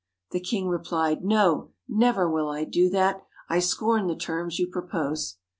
The king replied: 'No, never will I do that! I scorn the terms you propose.'